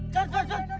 jalan jalan jalan